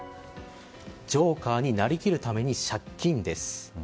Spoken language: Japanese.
ジョーカーになりきるために借金です。